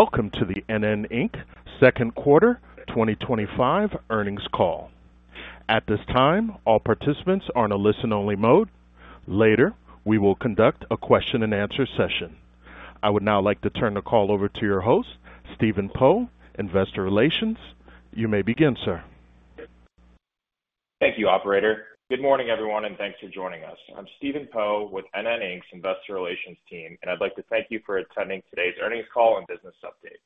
Welcome to the NN, Inc. Second Quarter 2025 Earnings Call. At this time, all participants are in a listen-only mode. Later, we will conduct a question-and-answer session. I would now like to turn the call over to your host, Stephen Poe, Investor Relations. You may begin, sir. Thank you, Operator. Good morning, everyone, and thanks for joining us. I'm Stephen Poe with NN, Inc.'s Investor Relations team, and I'd like to thank you for attending today's earnings call and business update.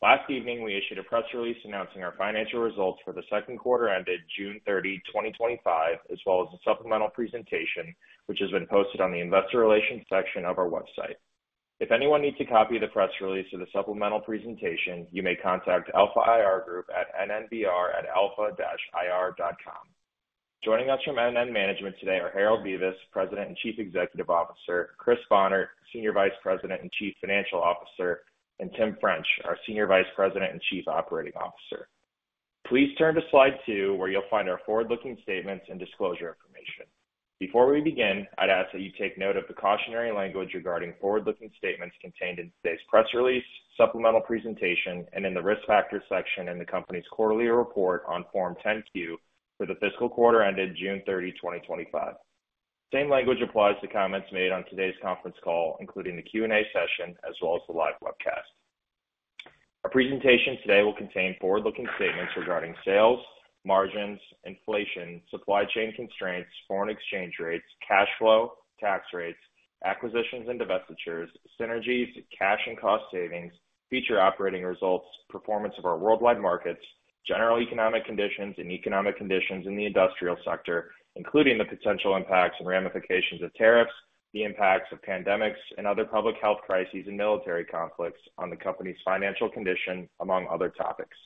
Last evening, we issued a press release announcing our financial results for the second quarter ended June 30, 2025, as well as a supplemental presentation, which has been posted on the Investor Relations section of our website. If anyone needs a copy of the press release or the supplemental presentation, you may contact Alpha IR Group at nnbr@alpha-ir.com. Joining us from NN Management today are Harold Bevis, President and Chief Executive Officer; Chris Bohnert, Senior Vice President and Chief Financial Officer; and Tim French, our Senior Vice President and Chief Operating Officer. Please turn to slide two, where you'll find our forward-looking statements and disclosure information. Before we begin, I'd ask that you take note of the cautionary language regarding forward-looking statements contained in today's press release, supplemental presentation, and in the risk factors section in the company's quarterly report on Form 10-Q for the fiscal quarter ended June 30, 2025. The same language applies to comments made on today's conference call, including the Q&A session, as well as the live webcast. Our presentation today will contain forward-looking statements regarding sales, margins, inflation, supply chain constraints, foreign exchange rates, cash flow, tax rates, acquisitions and divestitures, synergies, cash and cost savings, future operating results, performance of our worldwide markets, general economic conditions, and economic conditions in the industrial sector, including the potential impacts and ramifications of tariffs, the impacts of pandemics and other public health crises and military conflicts on the company's financial condition, among other topics.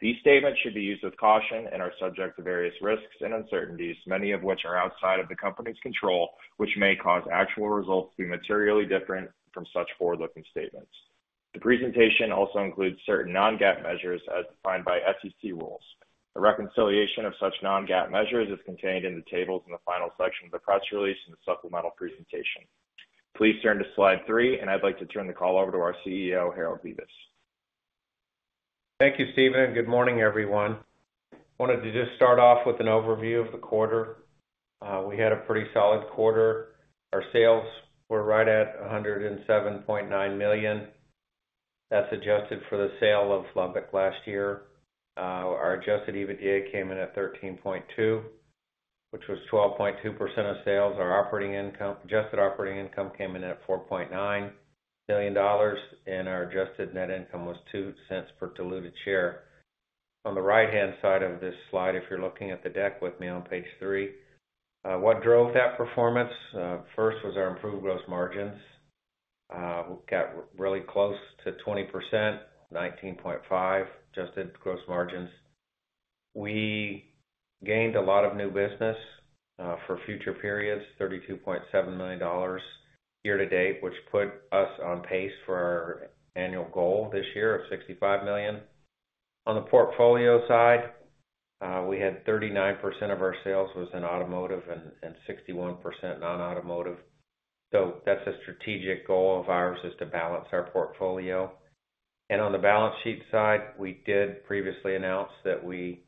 These statements should be used with caution and are subject to various risks and uncertainties, many of which are outside of the company's control, which may cause actual results to be materially different from such forward-looking statements. The presentation also includes certain non-GAAP measures as defined by SEC rules. A reconciliation of such non-GAAP measures is contained in the tables in the final section of the press release and the supplemental presentation. Please turn to slide three, and I'd like to turn the call over to our CEO, Harold Bevis. Thank you, Stephen, and good morning, everyone. I wanted to just start off with an overview of the quarter. We had a pretty solid quarter. Our sales were right at $107.9 million. That's adjusted for the sale of Lubbock last year. Our adjusted EBITDA came in at $13.2 million, which was 12.2% of sales. Our adjusted operating income came in at $4.9 million, and our adjusted net income was $0.02 per diluted share. On the right-hand side of this slide, if you're looking at the deck with me on page three, what drove that performance? First was our improved gross margins. We got really close to 20%, 19.5% adjusted gross margins. We gained a lot of new business for future periods, $32.7 million year to date, which put us on pace for our annual goal this year of $65 million. On the portfolio side, we had 39% of our sales in automotive and 61% non-automotive. That's a strategic goal of ours to balance our portfolio. On the balance sheet side, we did previously announce that we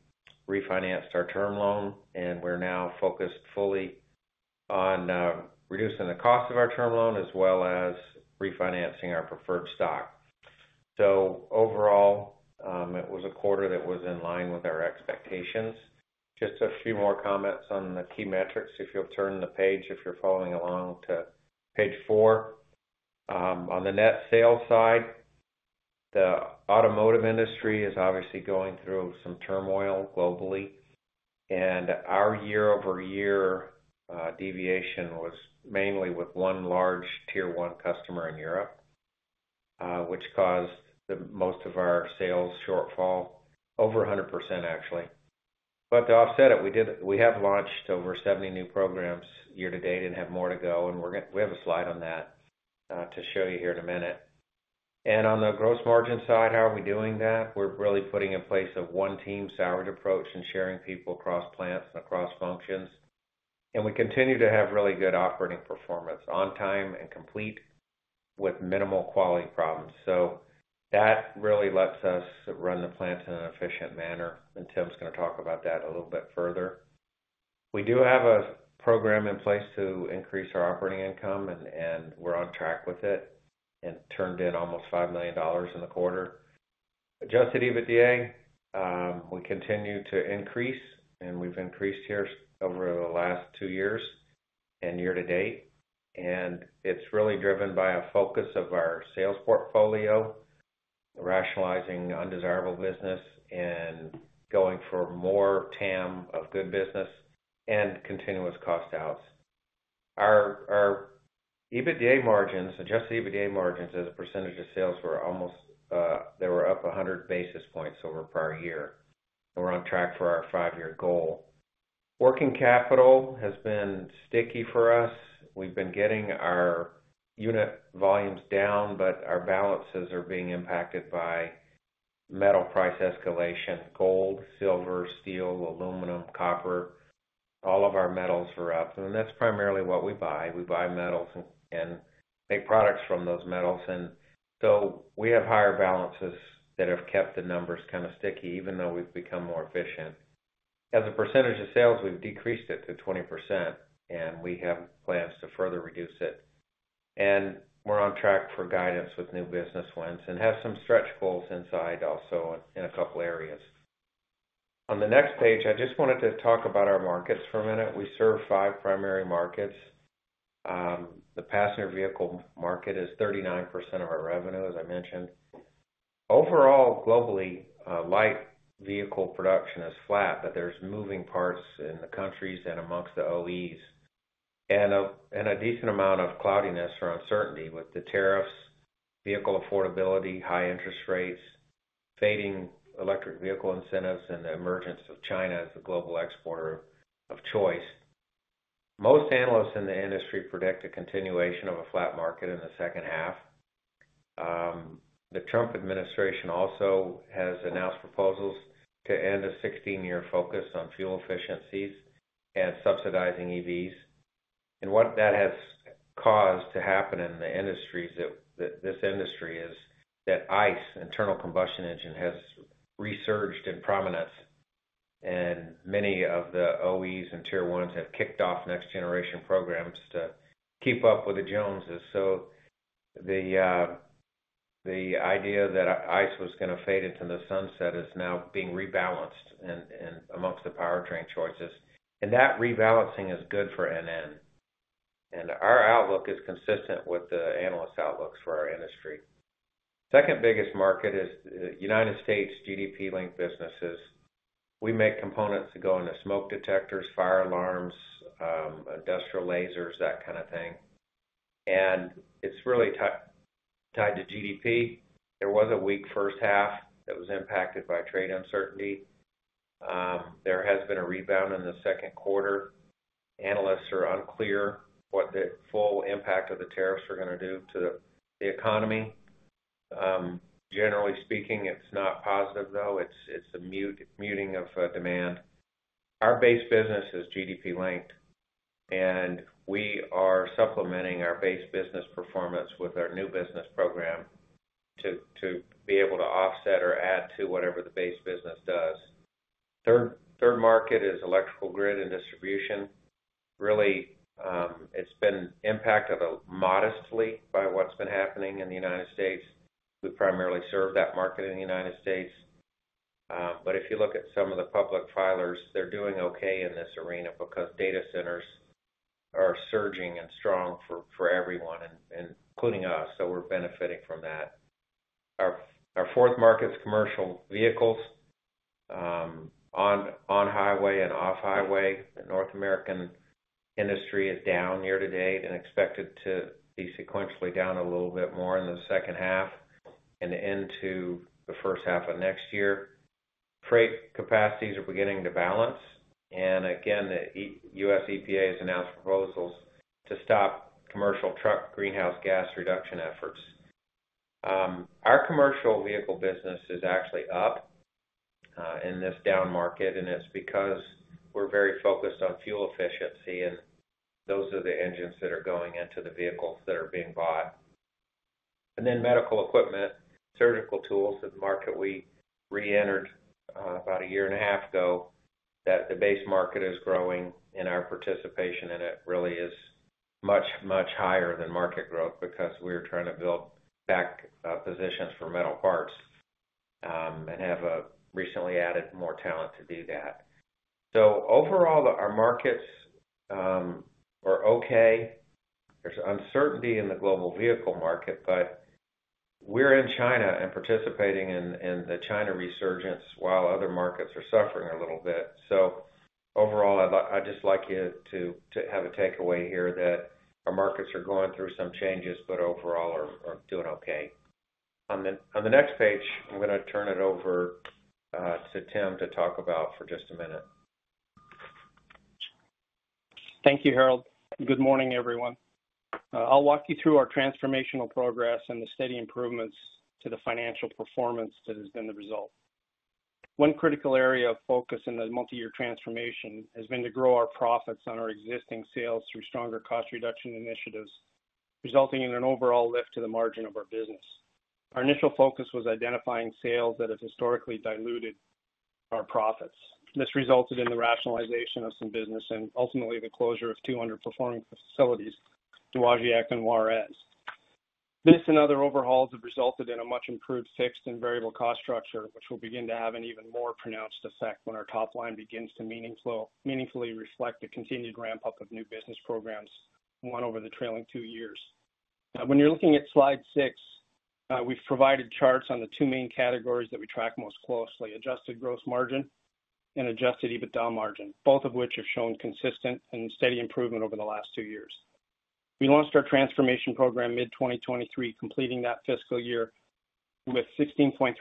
refinanced our term loan, and we're now focused fully on reducing the cost of our term loan as well as refinancing our preferred stock. Overall, it was a quarter that was in line with our expectations. Just a few more comments on the key metrics if you'll turn the page, if you're following along to page four. On the net sales side, the automotive industry is obviously going through some turmoil globally, and our year-over-year deviation was mainly with one large tier-one customer in Europe, which caused most of our sales shortfall, over 100% actually. To offset it, we have launched over 70 new programs year to date and have more to go, and we have a slide on that to show you here in a minute. On the gross margin side, how are we doing that? We're really putting in place a one-team salaried approach and sharing people across plants and across functions. We continue to have really good operating performance, on time and complete, with minimal quality problems. That really lets us run the plants in an efficient manner, and Tim's going to talk about that a little bit further. We do have a program in place to increase our operating income, and we're on track with it and turned in almost $5 million in the quarter. Adjusted EBITDA, we continue to increase, and we've increased here over the last two years and year to date. It is really driven by a focus of our sales portfolio, rationalizing undesirable business and going for more TAM of good business and continuous cost outs. Our EBITDA margins, adjusted EBITDA margins as a percentage of sales were almost, they were up 100 basis points over prior year. We are on track for our five-year goal. Working capital has been sticky for us. We have been getting our unit volumes down, but our balances are being impacted by metal price escalation: gold, silver, steel, aluminum, copper. All of our metals were up, and that's primarily what we buy. We buy metals and make products from those metals. We have higher balances that have kept the numbers kind of sticky, even though we have become more efficient. As a percentage of sales, we have decreased it to 20%, and we have plans to further reduce it. We are on track for guidance with new business wins and have some stretch goals inside also in a couple areas. On the next page, I just wanted to talk about our markets for a minute. We serve five primary markets. The passenger vehicle market is 39% of our revenue, as I mentioned. Overall, globally, light vehicle production is flat, but there are moving parts in the countries and amongst the OEs. There is a decent amount of cloudiness or uncertainty with the tariffs, vehicle affordability, high interest rates, fading electric vehicle incentives, and the emergence of China as the global exporter of choice. Most analysts in the industry predict a continuation of a flat market in the second half. The Trump administration also has announced proposals to end a 16-year focus on fuel efficiencies and subsidizing EVs. What that has caused to happen in the industry is that ICE, internal combustion engine, has resurged in prominence, and many of the OEs and tier ones have kicked off next-generation programs to keep up with the Joneses. The idea that ICE was going to fade into the sunset is now being rebalanced amongst the powertrain choices. That rebalancing is good for NN. Our outlook is consistent with the analyst outlooks for our industry. The second biggest market is the United States GDP-linked businesses. We make components that go into smoke detectors, fire alarms, industrial lasers, that kind of thing. It is really tied to GDP. There was a weak first half that was impacted by trade uncertainty. There has been a rebound in the second quarter. Analysts are unclear what the full impact of the tariffs are going to do to the economy. Generally speaking, it's not positive, though. It's a muting of demand. Our base business is GDP-linked, and we are supplementing our base business performance with our new business program to be able to offset or add to whatever the base business does. The third market is electrical grid and distribution. Really, it's been impacted modestly by what's been happening in the U.S. We primarily serve that market in the U.S. If you look at some of the public filers, they're doing okay in this arena because data centers are surging and strong for everyone, including us. We're benefiting from that. Our fourth market is commercial vehicles on highway and off-highway. The North American industry is down year to date and expected to be sequentially down a little bit more in the second half and into the first half of next year. Freight capacities are beginning to balance. The U.S. EPA has announced proposals to stop commercial truck greenhouse gas reduction efforts. Our commercial vehicle business is actually up in this down market, and it's because we're very focused on fuel efficiency, and those are the engines that are going into the vehicles that are being bought. Medical equipment, surgical tools in the market we reentered about a year and a half ago, that the base market is growing and our participation in it really is much, much higher than market growth because we are trying to build back positions for metal parts and have recently added more talent to do that. Overall, our markets are okay. There's uncertainty in the global vehicle market, but we're in China and participating in the China resurgence while other markets are suffering a little bit. Overall, I'd just like you to have a takeaway here that our markets are going through some changes, but overall are doing okay. On the next page, I'm going to turn it over to Tim to talk about for just a minute. Thank you, Harold. Good morning, everyone. I'll walk you through our transformational progress and the steady improvements to the financial performance that has been the result. One critical area of focus in the multi-year transformation has been to grow our profits on our existing sales through stronger cost reduction initiatives, resulting in an overall lift to the margin of our business. Our initial focus was identifying sales that have historically diluted our profits. This resulted in the rationalization of some business and ultimately the closure of two underperforming facilities: Dowagiac and Juarez. This and other overhauls have resulted in a much improved fixed and variable cost structure, which will begin to have an even more pronounced effect when our top line begins to meaningfully reflect the continued ramp-up of new business programs, one over the trailing two years. Now, when you're looking at slide six, we've provided charts on the two main categories that we track most closely: adjusted gross margin and adjusted EBITDA margin, both of which have shown consistent and steady improvement over the last two years. We launched our transformation program mid-2023, completing that fiscal year with 16.3%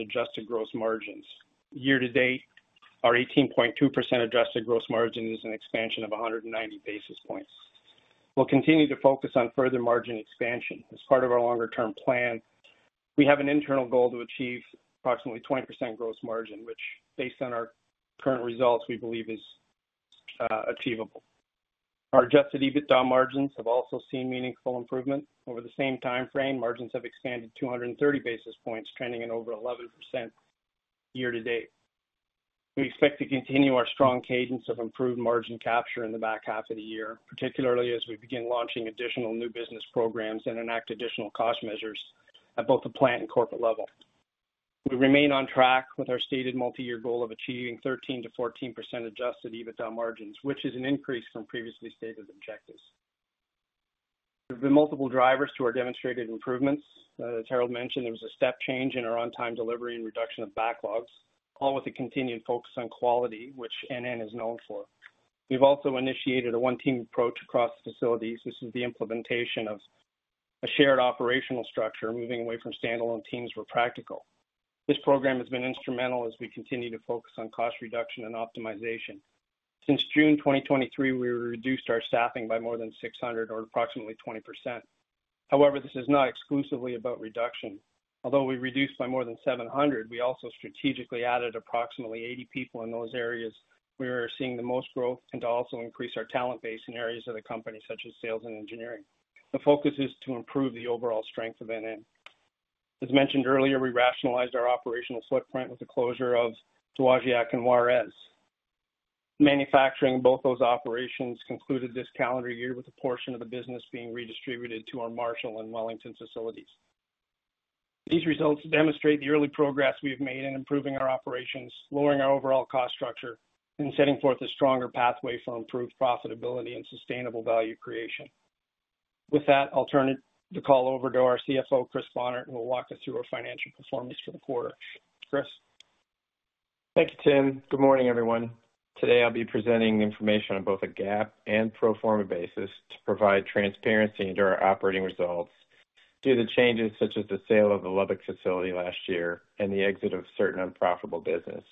adjusted gross margins. Year to date, our 18.2% adjusted gross margin is an expansion of 190 basis points. We'll continue to focus on further margin expansion as part of our longer-term plan. We have an internal goal to achieve approximately 20% gross margin, which, based on our current results, we believe is achievable. Our adjusted EBITDA margins have also seen meaningful improvement. Over the same timeframe, margins have expanded 230 basis points, trending at over 11% year to date. We expect to continue our strong cadence of improved margin capture in the back half of the year, particularly as we begin launching additional new business programs and enact additional cost measures at both the plant and corporate level. We remain on track with our stated multi-year goal of achieving 13%-14% adjusted EBITDA margins, which is an increase from previously stated objectives. There have been multiple drivers to our demonstrated improvements. As Harold mentioned, it was a step change in our on-time delivery and reduction of backlogs, all with a continued focus on quality, which NN is known for. We've also initiated a one-team approach across the facilities. This is the implementation of a shared operational structure, moving away from standalone teams where practical. This program has been instrumental as we continue to focus on cost reduction and optimization. Since June 2023, we reduced our staffing by more than 600, or approximately 20%. However, this is not exclusively about reduction. Although we reduced by more than 700, we also strategically added approximately 80 people in those areas where we're seeing the most growth and also increased our talent base in areas of the company, such as sales and engineering. The focus is to improve the overall strength of NN. As mentioned earlier, we rationalized our operational footprint with the closure of Dowagiac and Juarez. Manufacturing in both those operations concluded this calendar year with a portion of the business being redistributed to our Marshall and Wellington facilities. These results demonstrate the early progress we've made in improving our operations, lowering our overall cost structure, and setting forth a stronger pathway for improved profitability and sustainable value creation. With that, I'll turn the call over to our CFO, Chris Bohnert, who will walk us through our financial performance for the quarter. Chris. Thank you, Tim. Good morning, everyone. Today, I'll be presenting information on both a GAAP and pro forma basis to provide transparency into our operating results due to changes such as the sale of the Lubbock facility last year and the exit of certain unprofitable business.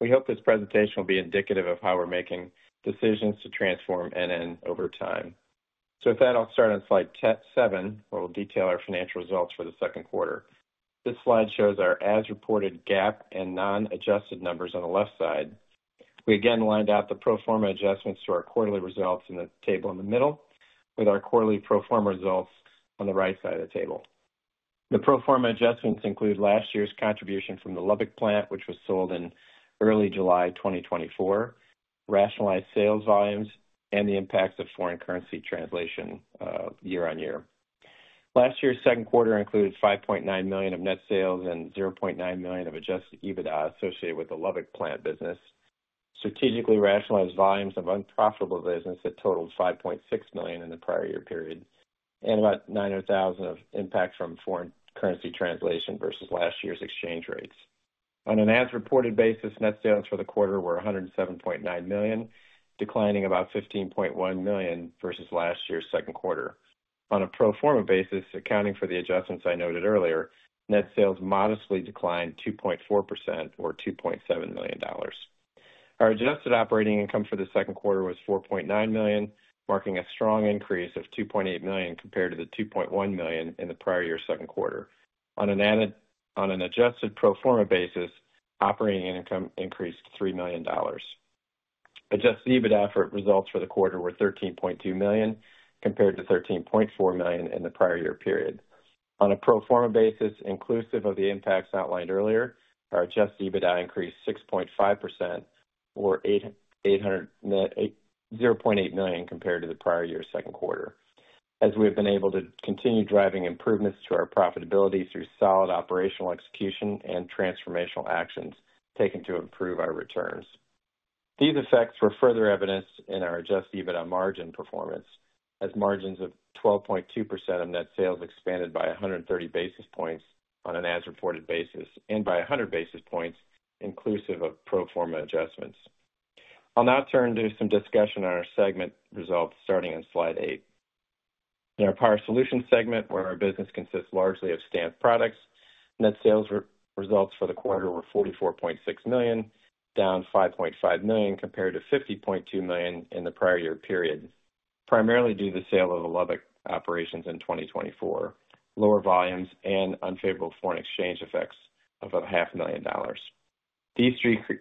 We hope this presentation will be indicative of how we're making decisions to transform NN over time. With that, I'll start on slide seven, where we'll detail our financial results for the second quarter. This slide shows our as-reported GAAP and non-adjusted numbers on the left side. We again lined out the pro forma adjustments to our quarterly results in the table in the middle, with our quarterly pro forma results on the right side of the table. The pro forma adjustments include last year's contribution from the Lubbock plant, which was sold in early July 2024, rationalized sales volumes, and the impacts of foreign currency translation year on year. Last year's second quarter included $5.9 million of net sales and $0.9 million of adjusted EBITDA associated with the Lubbock plant business. Strategically rationalized volumes of unprofitable business that totaled $5.6 million in the prior year period and about $0.9 million of impacts from foreign currency translation versus last year's exchange rates. On an as-reported basis, net sales for the quarter were $107.9 million, declining about $15.1 million versus last year's second quarter. On a pro forma basis, accounting for the adjustments I noted earlier, net sales modestly declined 2.4% or $2.7 million. Our adjusted operating income for the second quarter was $4.9 million, marking a strong increase of $2.8 million compared to the $2.1 million in the prior year's second quarter. On an adjusted pro forma basis, operating income increased $3 million. Adjusted EBITDA for results for the quarter were $13.2 million compared to $13.4 million in the prior year period. On a pro forma basis, inclusive of the impacts outlined earlier, our adjusted EBITDA increased 6.5% or $0.8 million compared to the prior year's second quarter. We have been able to continue driving improvements to our profitability through solid operational execution and transformational actions taken to improve our returns. These effects were further evidenced in our adjusted EBITDA margin performance, as margins of 12.2% of net sales expanded by 130 basis points on an as-reported basis and by 100 basis points, inclusive of pro forma adjustments. I'll now turn to some discussion on our segment results, starting on slide eight. In our Power Solutions segment, where our business consists largely of stamped products, net sales results for the quarter were $44.6 million, down $5.5 million compared to $50.2 million in the prior year period, primarily due to the sale of the Lubbock operations in 2024, lower volumes, and unfavorable foreign exchange effects of about $0.5 million. These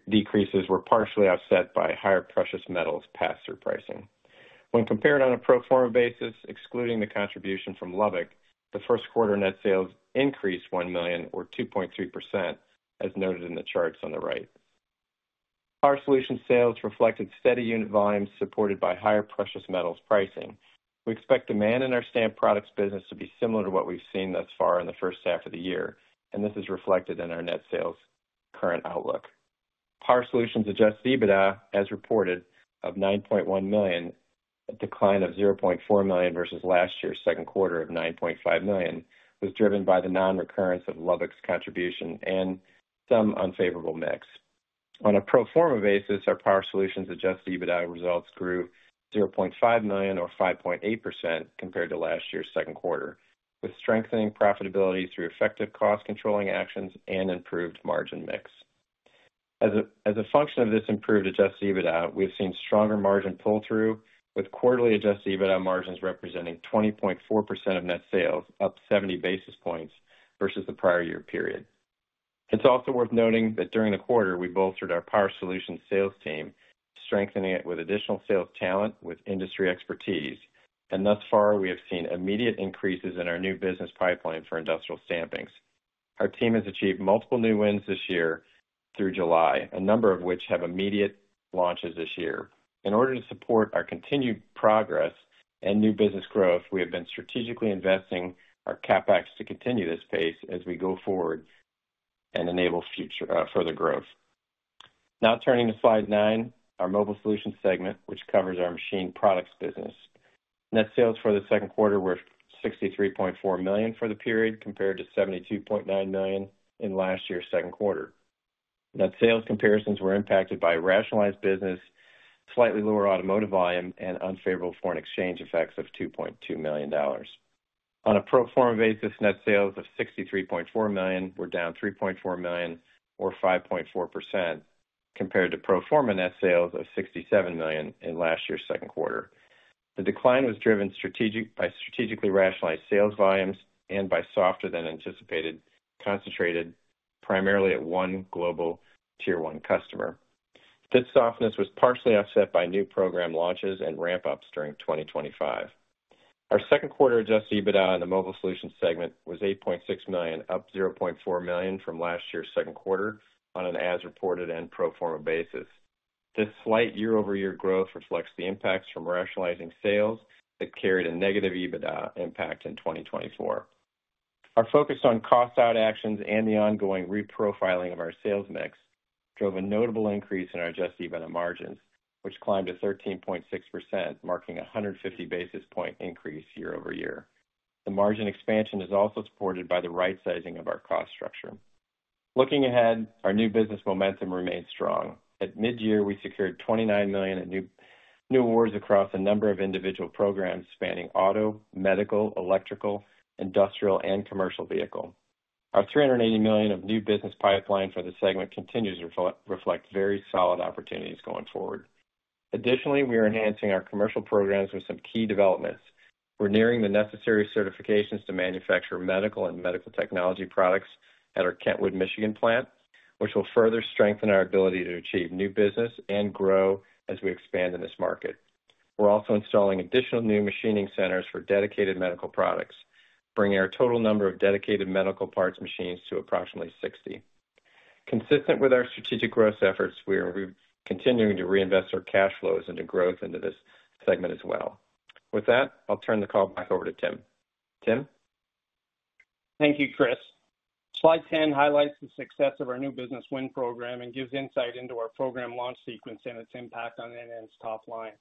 decreases were partially offset by higher precious metals pass-through pricing. When compared on a pro forma basis, excluding the contribution from Lubbock, the first quarter net sales increased $1 million or 2.3%, as noted in the charts on the right. Power Solutions sales reflected steady unit volumes supported by higher precious metals pricing. We expect demand in our stamped products business to be similar to what we've seen thus far in the first half of the year, and this is reflected in our net sales current outlook. Power Solutions adjusted EBITDA, as reported, of $9.1 million, a decline of $0.4 million versus last year's second quarter of $9.5 million, was driven by the non-recurrence of Lubbock's contribution and some unfavorable mix. On a pro forma basis, our Power Solutions adjusted EBITDA results grew $0.5 million or 5.8% compared to last year's second quarter, with strengthening profitability through effective cost-controlling actions and improved margin mix. As a function of this improved adjusted EBITDA, we've seen stronger margin pull-through, with quarterly adjusted EBITDA margins representing 20.4% of net sales, up 70 basis points versus the prior year period. It's also worth noting that during the quarter, we bolstered our Power Solutions sales team, strengthening it with additional sales talent with industry expertise. Thus far, we have seen immediate increases in our new business pipeline for industrial stampings. Our team has achieved multiple new wins this year through July, a number of which have immediate launches this year. In order to support our continued progress and new business growth, we have been strategically investing our CapEx to continue this pace as we go forward and enable further growth. Now turning to slide nine, our Mobile Solutions segment, which covers our machine products business. Net sales for the second quarter were $63.4 million for the period compared to $72.9 million in last year's second quarter. Net sales comparisons were impacted by rationalized business, slightly lower automotive volume, and unfavorable foreign exchange effects of $2.2 million. On a pro forma basis, net sales of $63.4 million were down $3.4 million or 5.4% compared to pro forma net sales of $67 million in last year's second quarter. The decline was driven by strategically rationalized sales volumes and by softer than anticipated, concentrated primarily at one global tier-one customer. This softness was partially offset by new program launches and ramp-ups during 2025. Our second quarter adjusted EBITDA in the mobile solutions segment was $8.6 million, up $0.4 million from last year's second quarter on an as-reported and pro forma basis. This slight year-over-year growth reflects the impacts from rationalizing sales that carried a negative EBITDA impact in 2024. Our focus on cost-out actions and the ongoing reprofiling of our sales mix drove a notable increase in our adjusted EBITDA margins, which climbed to 13.6%, marking a 150 basis point increase year-over-year. The margin expansion is also supported by the right-sizing of our cost structure. Looking ahead, our new business momentum remains strong. At mid-year, we secured $29 million in new awards across a number of individual programs spanning auto, medical, electrical, industrial, and commercial vehicle. Our $380 million of new business pipeline for the segment continues to reflect very solid opportunities going forward. Additionally, we are enhancing our commercial programs with some key developments. We're nearing the necessary certifications to manufacture medical and medical technology products at our Kentwood, Michigan plant, which will further strengthen our ability to achieve new business and grow as we expand in this market. We're also installing additional new machining centers for dedicated medical products, bringing our total number of dedicated medical parts machines to approximately 60. Consistent with our strategic growth efforts, we are continuing to reinvest our cash flows into growth into this segment as well. With that, I'll turn the call back over to Tim. Tim? Thank you, Chris. Slide 10 highlights the success of our new business win program and gives insight into our program launch sequence and its impact on NN's top line.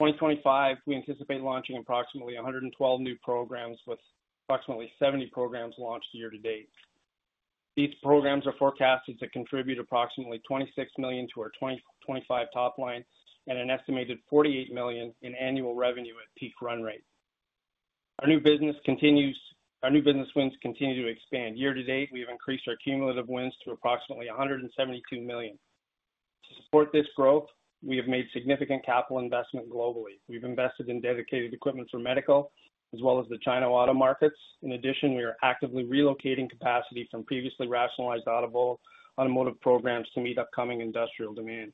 In 2025, we anticipate launching approximately 112 new programs with approximately 70 programs launched year to date. These programs are forecasted to contribute approximately $26 million to our 2025 top line and an estimated $48 million in annual revenue at peak run rate. Our new business wins continue to expand. Year to date, we have increased our cumulative wins to approximately $172 million. To support this growth, we have made significant capital investments globally. We've invested in dedicated equipment for medical, as well as the China auto markets. In addition, we are actively relocating capacity from previously rationalized automotive programs to meet upcoming industrial demand.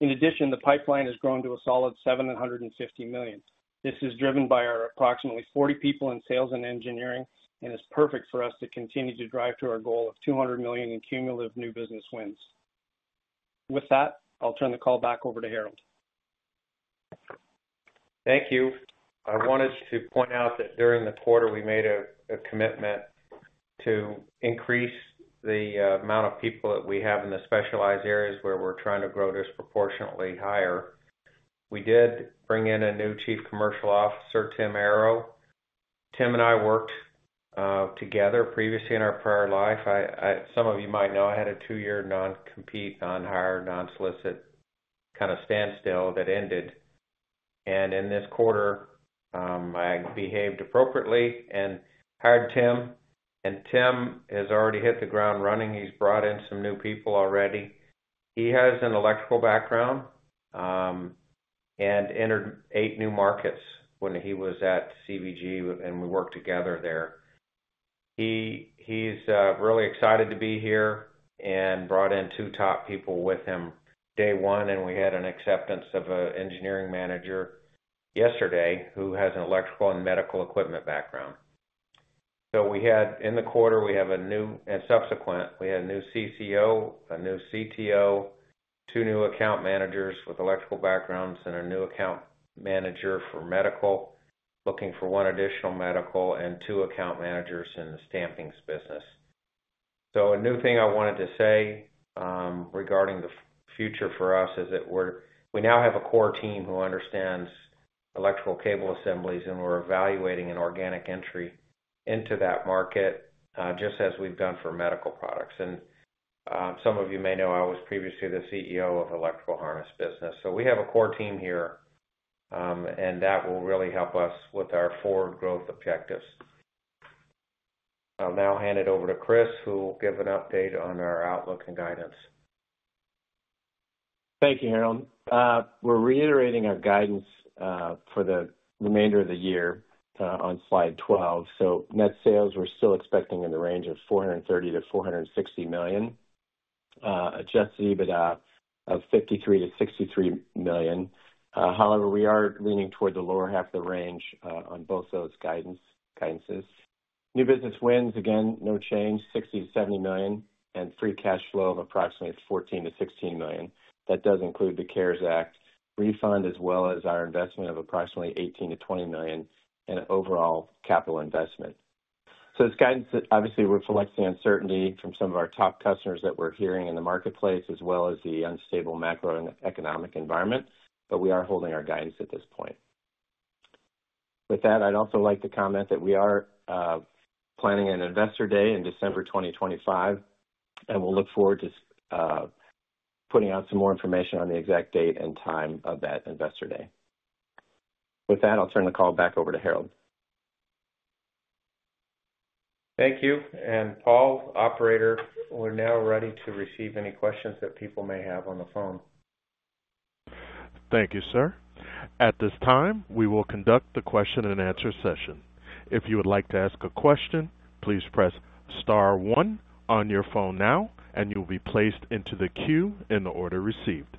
The pipeline has grown to a solid $750 million. This is driven by our approximately 40 people in sales and engineering, and it's perfect for us to continue to drive to our goal of $200 million in cumulative new business wins. With that, I'll turn the call back over to Harold. Thank you. I wanted to point out that during the quarter, we made a commitment to increase the amount of people that we have in the specialized areas where we're trying to grow disproportionately higher. We did bring in a new Chief Commercial Officer, Tim Arrow. Tim and I worked together previously in our prior life. Some of you might know I had a two-year non-compete, non-hire, non-solicit kind of standstill that ended. In this quarter, I behaved appropriately and hired Tim. Tim has already hit the ground running. He's brought in some new people already. He has an electrical background and entered eight new markets when he was at CBG, and we worked together there. He's really excited to be here and brought in two top people with him. Day one, and we had an acceptance of an engineering manager yesterday who has an electrical and medical equipment background. In the quarter, we have a new and subsequent, we had a new CCO, a new CTO, two new account managers with electrical backgrounds, and a new account manager for medical, looking for one additional medical and two account managers in the stampings business. A new thing I wanted to say regarding the future for us is that we now have a core team who understands electrical cable assemblies, and we're evaluating an organic entry into that market just as we've done for medical products. Some of you may know I was previously the CEO of Electrical Harness Business. We have a core team here, and that will really help us with our forward growth objectives. I'll now hand it over to Chris, who will give an update on our outlook and guidance. Thank you, Harold. We're reiterating our guidance for the remainder of the year on slide 12. Net sales we're still expecting in the range of $430 million-$460 million, adjusted EBITDA of $53 million-$63 million. However, we are leaning toward the lower half of the range on both those guidances. New business wins, again, no change, $60 million-$70 million, and free cash flow of approximately $14 million- $16 million. That does include the CARES Act refund, as well as our investment of approximately $18 million-$20 million in overall capital investment. This guidance obviously reflects the uncertainty from some of our top customers that we're hearing in the marketplace, as well as the unstable macroeconomic environment. We are holding our guidance at this point. I'd also like to comment that we are planning an Investor Day in December 2025, and we'll look forward to putting out some more information on the exact date and time of that Investor Day. With that, I'll turn the call back over to Harold. Thank you. Paul, Operator, we're now ready to receive any questions that people may have on the phone. Thank you, sir. At this time, we will conduct the question and answer session. If you would like to ask a question, please press star one on your phone now, and you'll be placed into the queue in the order received.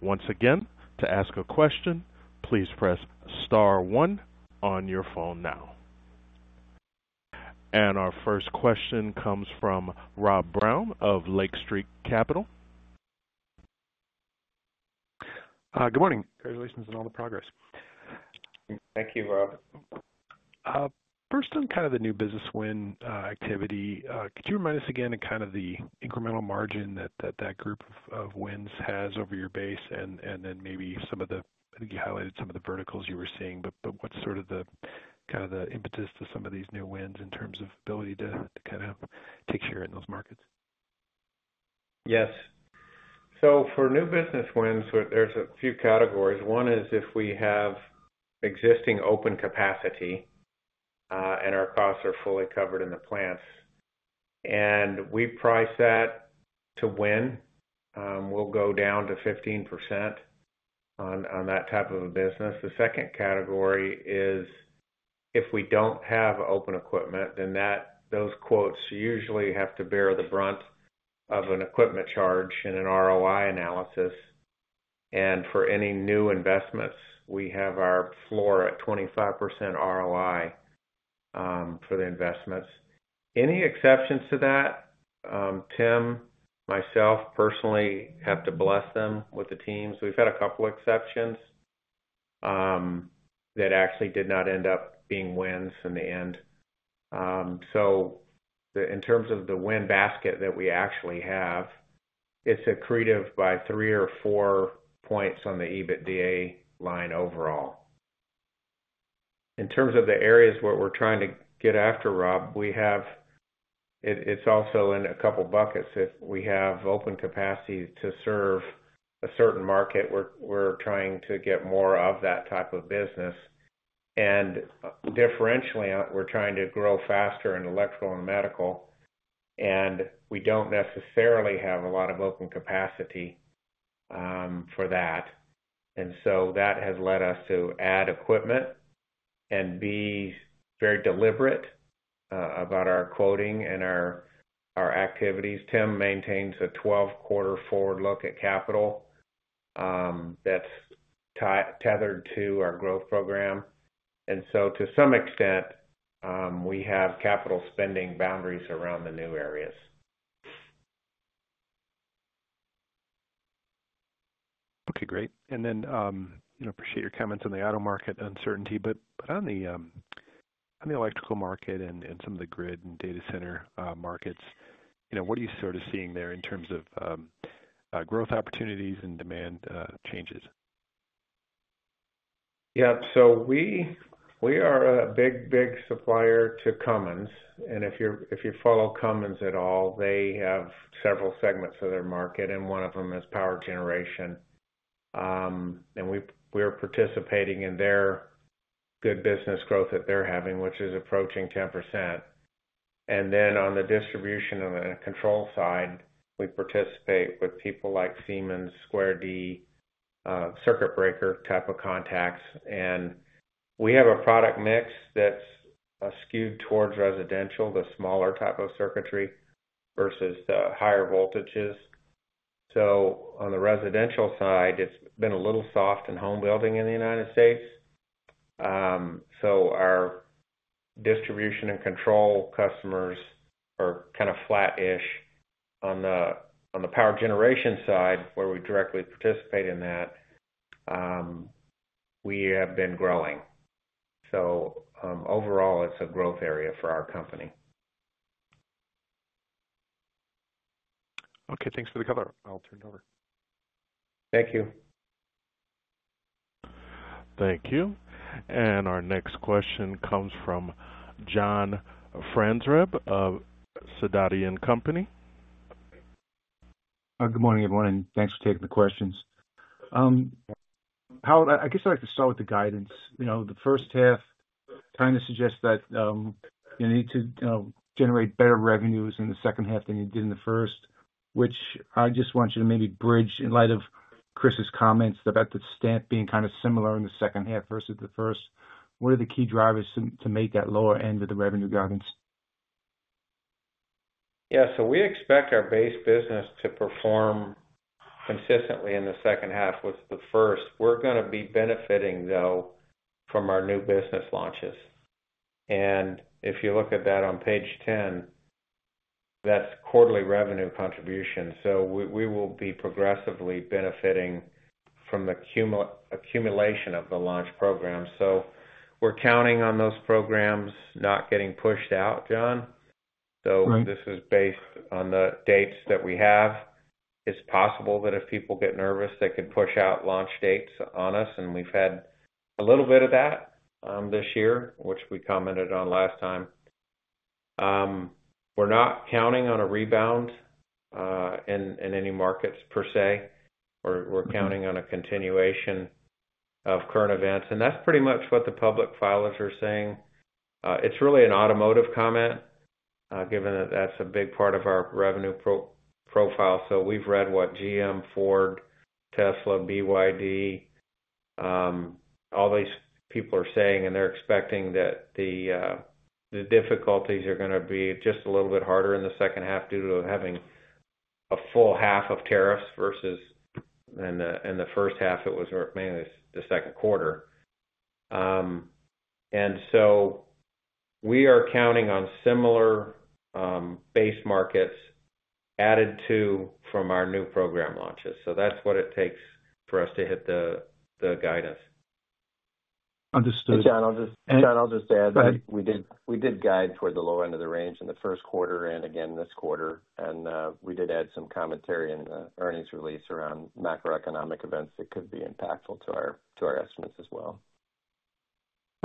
Once again, to ask a question, please press star one on your phone now. Our first question comes from Rob Brown of Lake Street Capital. Good morning. Congratulations on all the progress. Thank you, Rob. First, on kind of the new business win activity, could you remind us again of kind of the incremental margin that that group of wins has over your base, and then maybe some of the, I think you highlighted some of the verticals you were seeing, but what's sort of the impetus to some of these new wins in terms of ability to kind of take care in those markets? Yes. For new business wins, there's a few categories. One is if we have existing open capacity and our costs are fully covered in the plants, and we price that to win, we'll go down to 15% on that type of a business. The second category is if we don't have open equipment, then those quotes usually have to bear the brunt of an equipment charge in an ROI analysis. For any new investments, we have our floor at 25% ROI for the investments. Any exceptions to that, Tim and myself personally have to bless them with the teams. We've had a couple of exceptions that actually did not end up being wins in the end. In terms of the win basket that we actually have, it's accreted by three or four points on the EBITDA line overall. In terms of the areas where we're trying to get after, Rob, it's also in a couple of buckets. If we have open capacity to serve a certain market, we're trying to get more of that type of business. Differentially, we're trying to grow faster in electrical and medical, and we don't necessarily have a lot of open capacity for that. That has led us to add equipment and be very deliberate about our quoting and our activities. Tim maintains a 12-quarter forward look at capital that's tethered to our growth program. To some extent, we have capital spending boundaries around the new areas. Okay, great. I appreciate your comments on the auto market uncertainty, but on the electrical market and some of the grid and data center markets, what are you sort of seeing there in terms of growth opportunities and demand changes? Yeah, we are a big, big supplier to Cummins. If you follow Cummins at all, they have several segments of their market, and one of them is power generation. We are participating in their good business growth that they're having, which is approaching 10%. On the distribution and the control side, we participate with people like Siemens, Square D, circuit breaker type of contacts. We have a product mix that's skewed towards residential, the smaller type of circuitry versus the higher voltages. On the residential side, it's been a little soft in home building in the United States. Our distribution and control customers are kind of flat-ish. On the power generation side, where we directly participate in that, we have been growing. Overall, it's a growth area for our company. Okay, thanks for the cover. I'll turn it over. Thank you. Thank you. Our next question comes from John Franzreb of Sidoti & Company. Good morning, everyone. Thanks for taking the questions. I guess I'd like to start with the guidance. You know, the first half kind of suggests that you need to generate better revenues in the second half than you did in the first, which I just want you to maybe bridge in light of Chris's comments about the stamp being kind of similar in the second half versus the first. What are the key drivers to make that lower end of the revenue guidance? Yeah, we expect our base business to perform consistently in the second half with the first. We are going to be benefiting, though, from our new business launches. If you look at that on page 10, that's quarterly revenue contributions. We will be progressively benefiting from the accumulation of the launch programs. We are counting on those programs not getting pushed out, John. This is based on the dates that we have. It's possible that if people get nervous, they could push out launch dates on us, and we've had a little bit of that this year, which we commented on last time. We are not counting on a rebound in any markets per se. We are counting on a continuation of current events, and that's pretty much what the public filers are saying. It's really an automotive comment, given that that's a big part of our revenue profile. We have read what GM, Ford, Tesla, BYD, all these people are saying, and they're expecting that the difficulties are going to be just a little bit harder in the second half due to having a full half of tariffs versus in the first half, it was mainly the second quarter. We are counting on similar base markets added to from our new program launches. That's what it takes for us to hit the guidance. Understood. John, I'll just add that we did guide toward the lower end of the range in the first quarter and again this quarter. We did add some commentary in the earnings release around macroeconomic events that could be impactful to our estimates as well.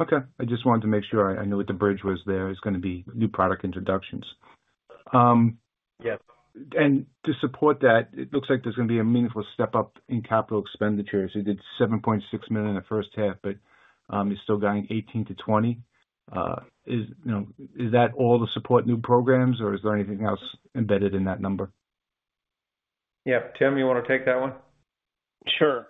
Okay. I just wanted to make sure I knew what the bridge was there. It's going to be new product introductions. Yes. To support that, it looks like there's going to be a meaningful step up in capital expenditures. You did $7.6 million in the first half, but you're still going $18 million-$20 million. Is that all to support new programs, or is there anything else embedded in that number? Yeah. Tim, you want to take that one? Sure.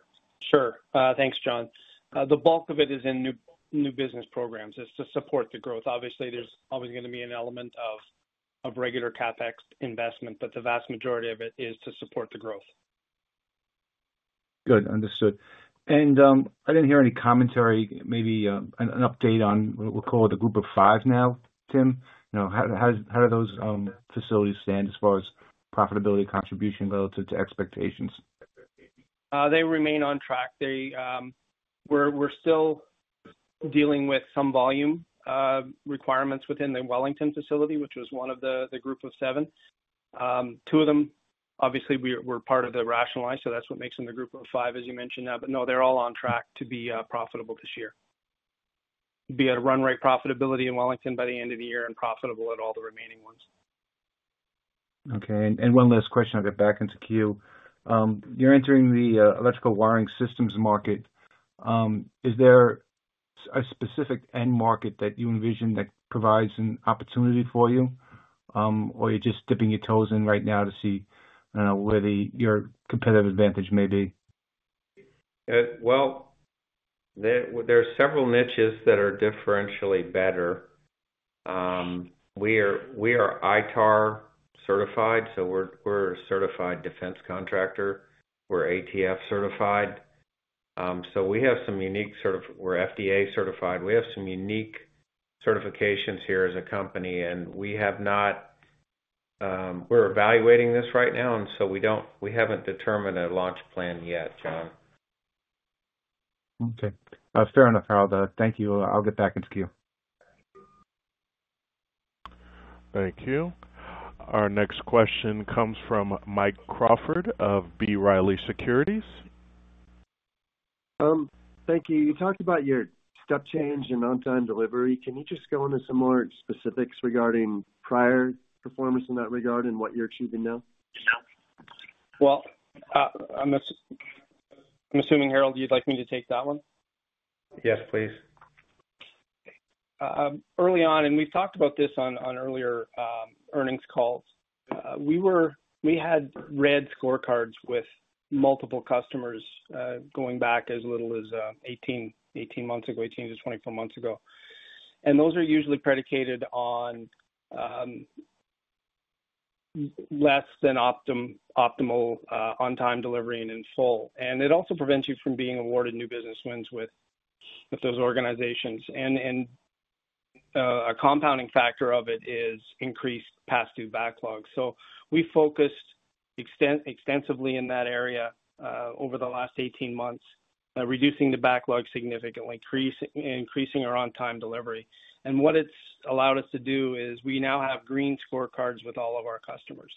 Thanks, John. The bulk of it is in new business programs. It's to support the growth. Obviously, there's always going to be an element of regular CapEx investment, but the vast majority of it is to support the growth. Good. Understood. I didn't hear any commentary, maybe an update on what we'll call it a group of five now, Tim. You know, how do those facilities stand as far as profitability contribution relative to expectations? They remain on track. We're still dealing with some volume requirements within the Wellington facility, which was one of the group of seven. Two of them, obviously, were part of the rationalized, so that's what makes them the group of five, as you mentioned now. No, they're all on track to be profitable this year, be at a run rate profitability in Wellington by the end of the year and profitable at all the remaining ones. Okay. One last question. I'll get back into queue. You're entering the electrical wiring systems market. Is there a specific end market that you envision that provides an opportunity for you, or are you just dipping your toes in right now to see where your competitive advantage may be? There are several niches that are differentially better. We are ITAR certified, so we're a certified defense contractor. We're ATF certified, so we have some unique certifications. We're FDA certified. We have some unique certifications here as a company, and we have not, we're evaluating this right now, and we haven't determined a launch plan yet, John. Okay. That's fair enough, Harold. Thank you. I'll get back into queue. Thank you. Our next question comes from Mike Crawford of B. Riley Securities. Thank you. You talked about your step change and on-time delivery. Can you just go into some more specifics regarding prior performance in that regard and what you're achieving now? I'm assuming, Harold, you'd like me to take that one? Yes, please. Early on, and we've talked about this on earlier earnings calls, we had red scorecards with multiple customers going back as little as 18 months ago, 18-24 months ago. Those are usually predicated on less than optimal on-time delivery and in full. It also prevents you from being awarded new business wins with those organizations. A compounding factor of it is increased pass-through backlogs. We focused extensively in that area over the last 18 months, reducing the backlog significantly, increasing our on-time delivery. What it's allowed us to do is we now have green scorecards with all of our customers,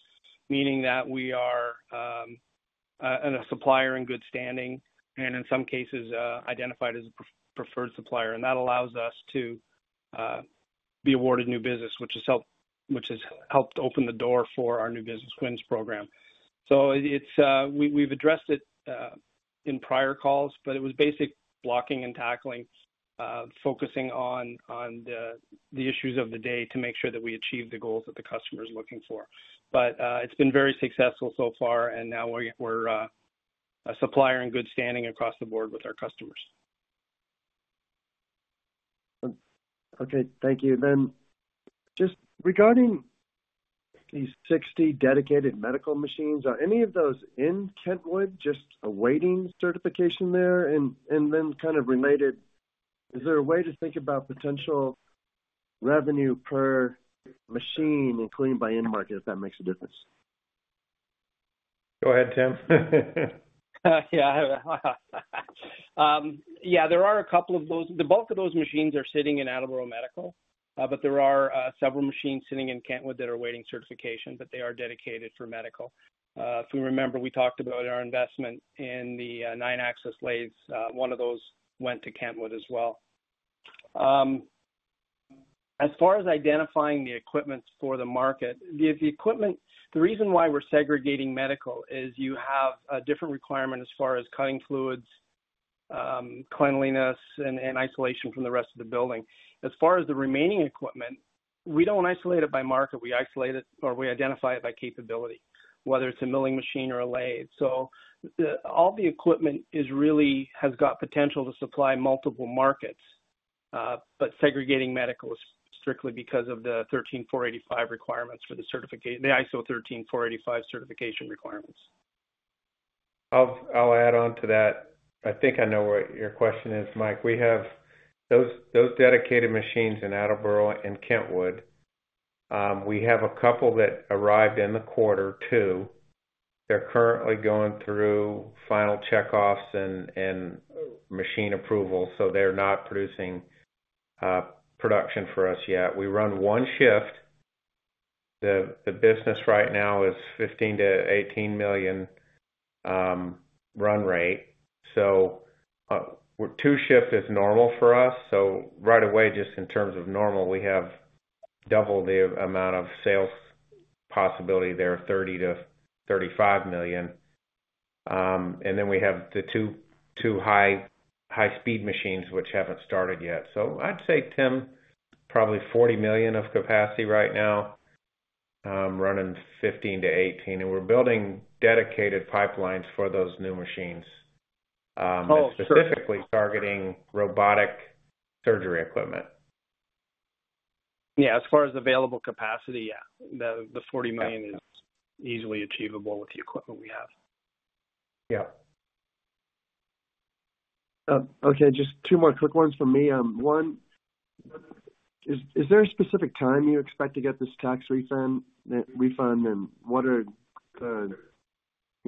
meaning that we are a supplier in good standing, and in some cases, identified as a preferred supplier. That allows us to be awarded new business, which has helped open the door for our new business wins program. We've addressed it in prior calls, but it was basic blocking and tackling, focusing on the issues of the day to make sure that we achieve the goals that the customer is looking for. It's been very successful so far, and now we're a supplier in good standing across the board with our customers. Thank you. Just regarding these 60 dedicated medical machines, are any of those in Kentwood, just awaiting certification there? Is there a way to think about potential revenue per machine, including by end market, if that makes a difference? Go ahead, Tim. Yeah, there are a couple of those. Both of those machines are sitting in Attleboro Medical, but there are several machines sitting in Kentwood that are awaiting certification, but they are dedicated for medical. If we remember, we talked about our investment in the nine axis lathe. One of those went to Kentwood as well. As far as identifying the equipment for the market, the reason why we're segregating medical is you have a different requirement as far as cutting fluids, cleanliness, and isolation from the rest of the building. As far as the remaining equipment, we don't isolate it by market. We isolate it or we identify it by capability, whether it's a milling machine or a lathe. All the equipment really has got potential to supply multiple markets, but segregating medical is strictly because of the 13485 requirements for the ISO 13485 certification requirements. I'll add on to that. I think I know what your question is, Mike. We have those dedicated machines in Attleboro and Kentwood. We have a couple that arrived in the quarter too. They're currently going through final checkoffs and machine approvals, so they're not producing production for us yet. We run one shift. The business right now is $15 million-$18 million run rate. Two shifts is normal for us. Right away, just in terms of normal, we have double the amount of sales possibility there, $30 million-$35 million. We have the two high-speed machines, which haven't started yet. I'd say, Tim, probably $40 million of capacity right now, running $15 million-$18 million. We're building dedicated pipelines for those new machines, specifically targeting robotic surgery equipment. Yeah, as far as available capacity, the $40 million is easily achievable with the equipment we have. Yeah. Okay, just two more quick ones from me. One, is there a specific time you expect to get this tax refund, and what are the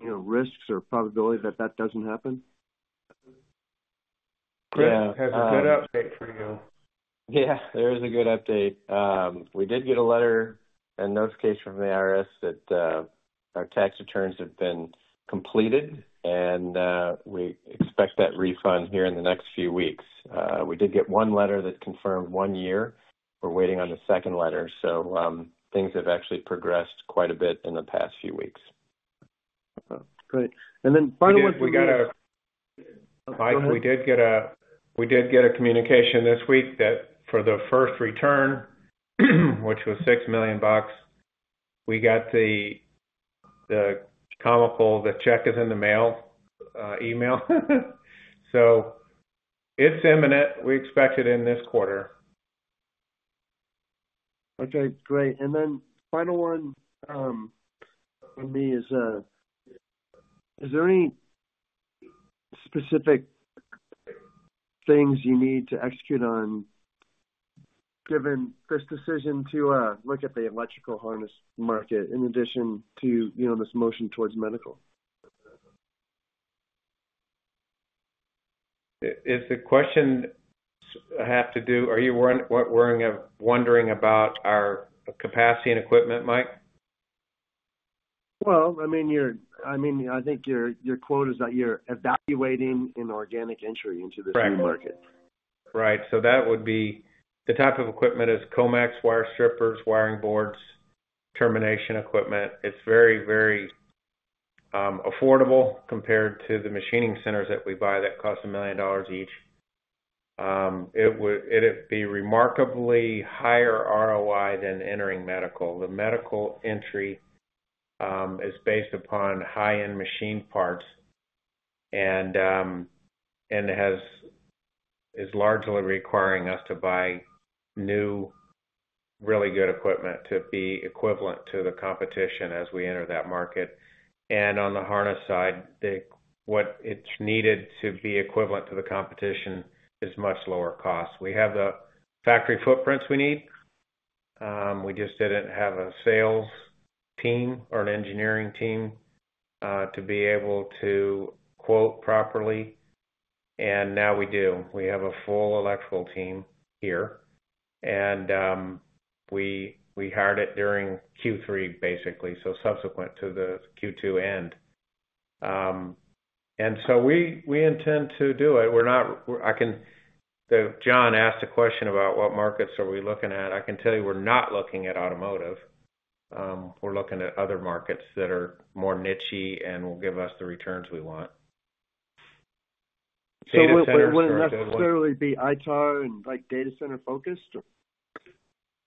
risks or probability that that doesn't happen? Chris has a good update for you. Yeah. There is a good update. We did get a letter in notification from the IRS that our tax returns have been completed, and we expect that refund here in the next few weeks. We did get one letter that confirmed one year. We're waiting on the second letter. Things have actually progressed quite a bit in the past few weeks. Great. The final ones we got are. We did get a communication this week that for the first return, which was $6 million, we got the comical, the check is in the mail email. It's imminent. We expect it in this quarter. Okay, great. Final one from me is, is there any specific things you need to execute on given this decision to look at the electrical cable assemblies market in addition to, you know, this motion towards medical? Is the question I have to do, are you wondering about our capacity and equipment, Mike? I think your quote is that you're evaluating an organic entry into this new market. Right. That would be the type of equipment, it's Comax wire strippers, wiring boards, termination equipment. It's very, very affordable compared to the machining centers that we buy that cost $1 million each. It would be a remarkably higher ROI than entering medical. The medical entry is based upon high-end machine parts and is largely requiring us to buy new, really good equipment to be equivalent to the competition as we enter that market. On the harness side, what is needed to be equivalent to the competition is much lower cost. We have the factory footprints we need. We just did not have a sales team or an engineering team to be able to quote properly. Now we do. We have a full electrical team here, and we hired it during Q3, basically, subsequent to the Q2 end. We intend to do it. John asked a question about what markets we are looking at. I can tell you we are not looking at automotive. We are looking at other markets that are more niche and will give us the returns we want. Will it necessarily be ITAR and like data center focused?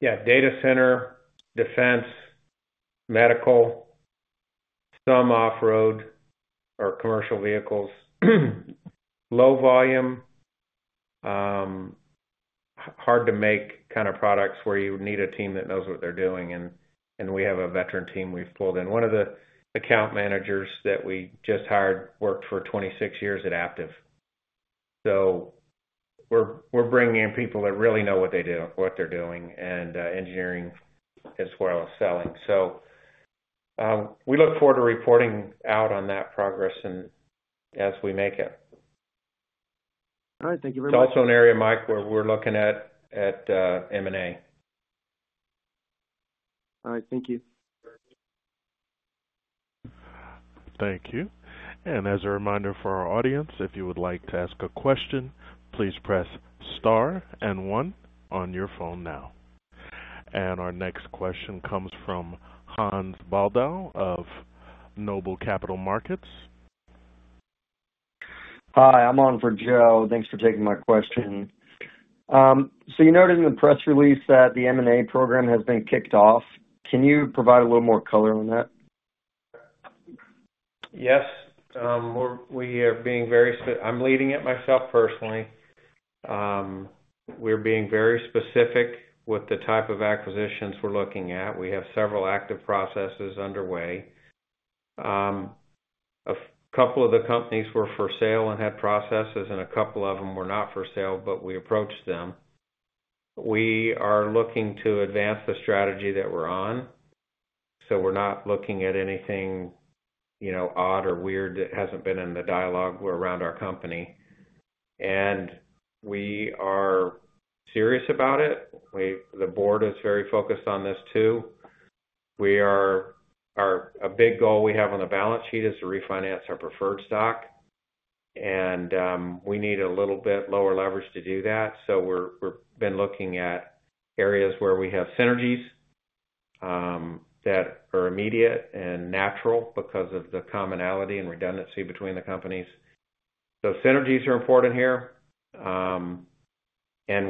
Data center, defense, medical, some off-road or commercial vehicles, low volume, hard-to-make kind of products where you would need a team that knows what they're doing. We have a veteran team we've pulled in. One of the account managers that we just hired worked for 26 years at Aptiv. We are bringing in people that really know what they're doing in engineering as well as selling. We look forward to reporting out on that progress as we make it. All right. Thank you very much. It's also an area, Mike, where we're looking at M&A opportunities. All right. Thank you. Thank you. As a reminder for our audience, if you would like to ask a question, please press star and one on your phone now. Our next question comes from Hans Baldau of Noble Capital Markets. Hi, I'm on for Joe. Thanks for taking my question. You noted in the press release that the M&A program has been kicked off. Can you provide a little more color on that? Yes. We are being very specific. I'm leading it myself personally. We're being very specific with the type of acquisitions we're looking at. We have several active processes underway. A couple of the companies were for sale and had processes, and a couple of them were not for sale, but we approached them. We are looking to advance the strategy that we're on. We're not looking at anything, you know, odd or weird that hasn't been in the dialogue around our company. We are serious about it. The Board is very focused on this too. A big goal we have on the balance sheet is to refinance our preferred stock. We need a little bit lower leverage to do that. We've been looking at areas where we have synergies that are immediate and natural because of the commonality and redundancy between the companies. Synergies are important here.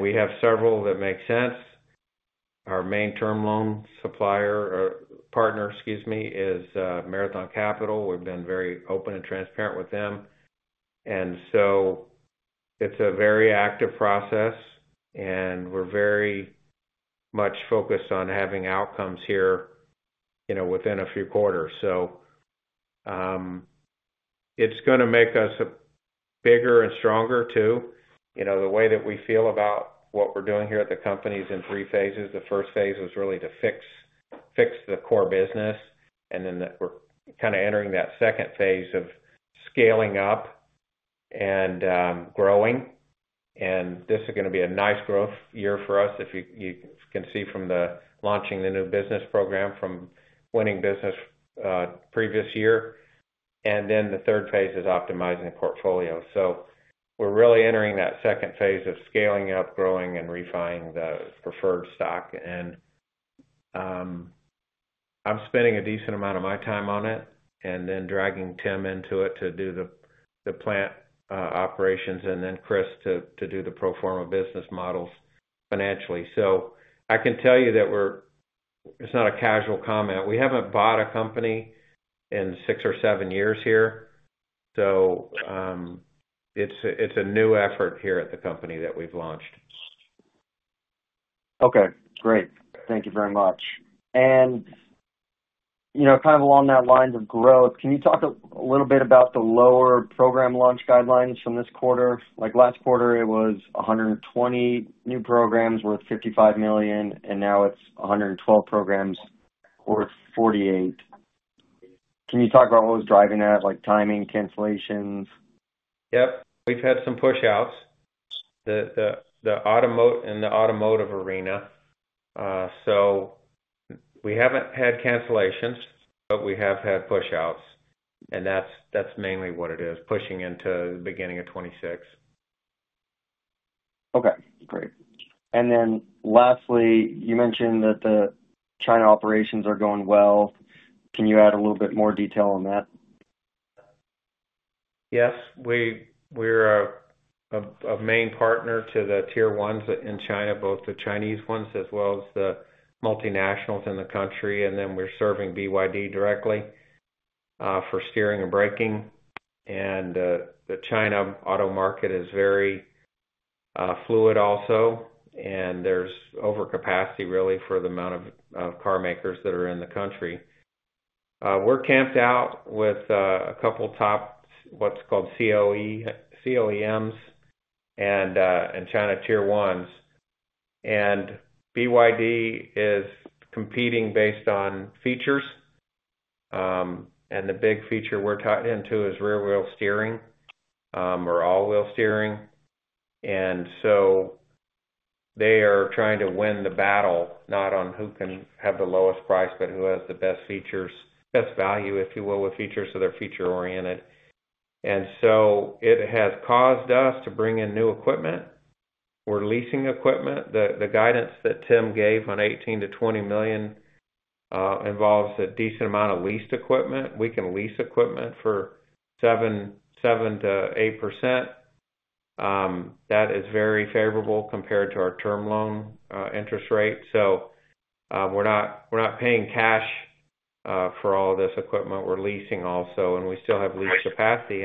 We have several that make sense. Our main term loan supplier, or partner, excuse me, is Marathon Capital. We've been very open and transparent with them. It's a very active process. We're very much focused on having outcomes here within a few quarters. It's going to make us bigger and stronger too. The way that we feel about what we're doing here at the company is in three phases. The first phase was really to fix the core business. We're kind of entering that second phase of scaling up and growing. This is going to be a nice growth year for us, if you can see from the launching the new business program from winning business the previous year. The third phase is optimizing the portfolio. We're really entering that second phase of scaling up, growing, and refining the preferred stock. I'm spending a decent amount of my time on it and then dragging Tim into it to do the plant operations and then Chris to do the pro forma business models financially. I can tell you that it's not a casual comment. We haven't bought a company in six or seven years here. It's a new effort here at the company that we've launched. Okay, great. Thank you very much. You know, kind of along that lines of growth, can you talk a little bit about the lower program launch guidelines from this quarter? Like last quarter, it was 120 new programs worth $55 million, and now it's 112 programs worth $48 million. Can you talk about what was driving that, like timing cancellations? Yep. We've had some push-outs in the automotive arena. We haven't had cancellations, but we have had push-outs. That's mainly what it is, pushing into the beginning of 2026. Okay, great. Lastly, you mentioned that the China operations are going well. Can you add a little bit more detail on that? Yes. We're a main partner to the tier ones in China, both the Chinese ones as well as the multinationals in the country. We're serving BYD directly for steering and braking. The China auto market is very fluid also. There's overcapacity really for the amount of car makers that are in the country. We're camped out with a couple top, what's called COEMs and China tier ones. BYD is competing based on features. The big feature we're tied into is rear-wheel steering or all-wheel steering. They are trying to win the battle not on who can have the lowest price, but who has the best features, best value, if you will, with features that are feature-oriented. It has caused us to bring in new equipment. We're leasing equipment. The guidance that Tim gave on $18 million-$20 million involves a decent amount of leased equipment. We can lease equipment for 7%-8%. That is very favorable compared to our term loan interest rate. We're not paying cash for all of this equipment. We're leasing also, and we still have lease capacity.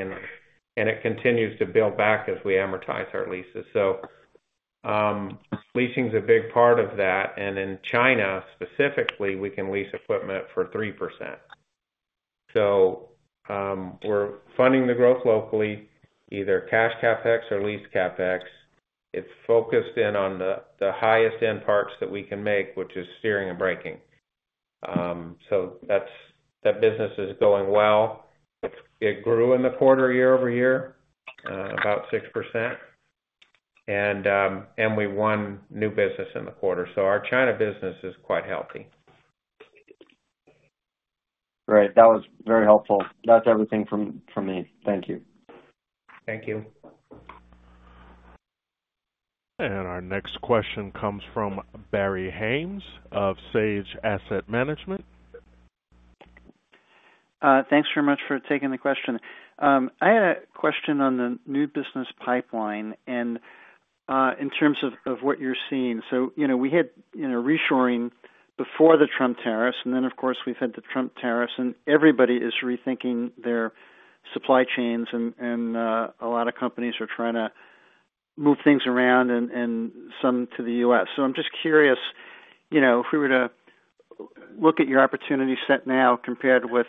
It continues to build back as we amortize our leases. Leasing is a big part of that. In China specifically, we can lease equipment for 3%. We're funding the growth locally, either cash CapEx or lease CapEx. It's focused in on the highest end parts that we can make, which is steering and braking. That business is going well. It grew in the quarter year-over-year, about 6%. We won new business in the quarter. Our China business is quite healthy. Great. That was very helpful. That's everything from me. Thank you. Thank you. Our next question comes from Barry Haynes of Sage Asset Management. Thanks very much for taking the question. I had a question on the new business pipeline and in terms of what you're seeing. We had reshoring before the Trump tariffs, and then, of course, we've had the Trump tariffs, and everybody is rethinking their supply chains, and a lot of companies are trying to move things around and some to the U.S. I'm just curious, if we were to look at your opportunity set now compared with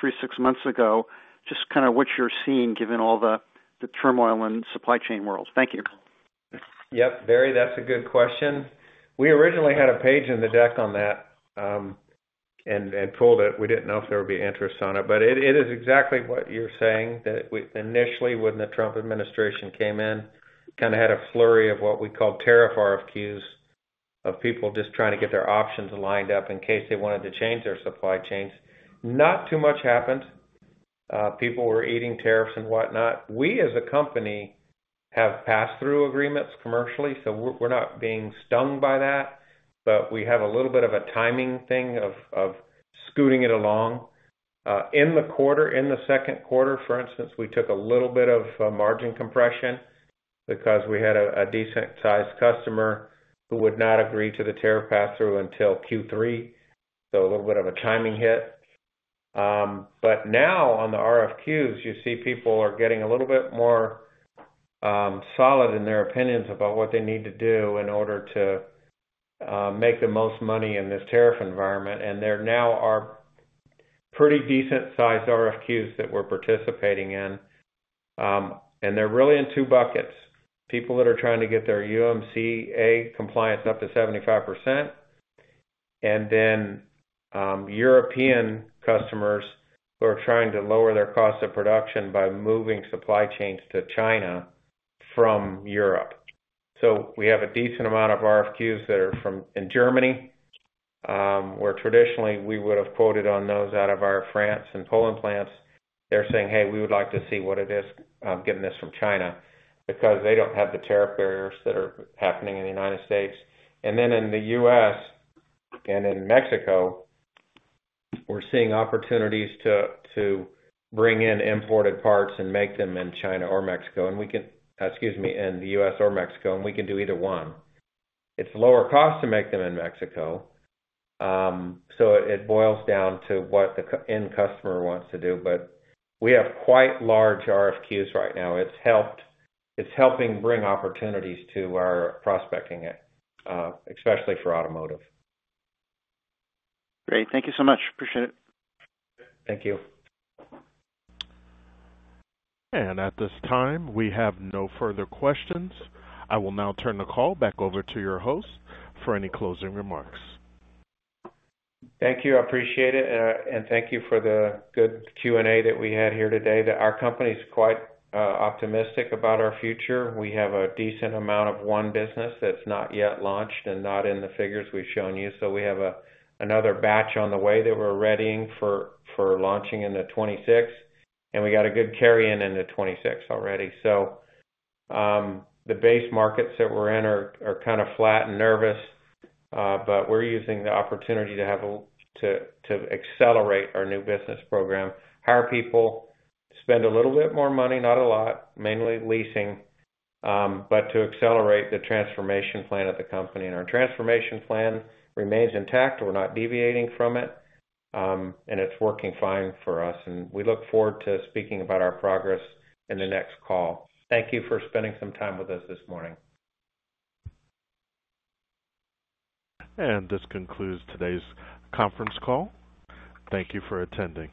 three, six months ago, just kind of what you're seeing given all the turmoil in the supply chain world. Thank you. Yep. Barry, that's a good question. We originally had a page in the deck on that and pulled it. We didn't know if there would be interest on it, but it is exactly what you're saying that initially, when the Trump administration came in, kind of had a flurry of what we called tariff RFQs of people just trying to get their options lined up in case they wanted to change their supply chains. Not too much happened. People were eating tariffs and whatnot. We, as a company, have passed through agreements commercially, so we're not being stung by that, but we have a little bit of a timing thing of scooting it along. In the quarter, in the second quarter, for instance, we took a little bit of margin compression because we had a decent-sized customer who would not agree to the tariff pass-through until Q3. A little bit of a timing hit. Now on the RFQs, you see people are getting a little bit more solid in their opinions about what they need to do in order to make the most money in this tariff environment. There now are pretty decent-sized RFQs that we're participating in. They're really in two buckets. People that are trying to get their USMCA compliance up to 75%, and then European customers who are trying to lower their costs of production by moving supply chains to China from Europe. We have a decent amount of RFQs that are from Germany, where traditionally we would have quoted on those out of our France and Poland plants. They're saying, "Hey, we would like to see what it is getting this from China," because they don't have the tariff barriers that are happening in the U.S. In the U.S. and in Mexico, we're seeing opportunities to bring in imported parts and make them in the U.S. or Mexico, and we can do either one. It's lower cost to make them in Mexico. It boils down to what the end customer wants to do. We have quite large RFQs right now. It's helped. It's helping bring opportunities to our prospecting, especially for automotive. Great. Thank you so much. Appreciate it. Thank you. At this time, we have no further questions. I will now turn the call back over to your host for any closing remarks. Thank you. I appreciate it. Thank you for the good Q&A that we had here today, that our company is quite optimistic about our future. We have a decent amount of one business that's not yet launched and not in the figures we've shown you. We have another batch on the way that we're readying for launching in 2026, and we got a good carry-in in 2026 already. The base markets that we're in are kind of flat and nervous, but we're using the opportunity to accelerate our new business program, hire people, spend a little bit more money, not a lot, mainly leasing, to accelerate the transformation plan at the company. Our transformation plan remains intact. We're not deviating from it, and it's working fine for us. We look forward to speaking about our progress in the next call. Thank you for spending some time with us this morning. This concludes today's conference call. Thank you for attending.